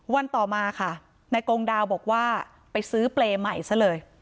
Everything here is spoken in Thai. วันต่อมาค่ะนายกงดาวบอกว่าไปซื้อเปรย์ใหม่ซะเลย